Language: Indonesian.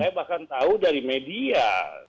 saya bahkan tahu dari media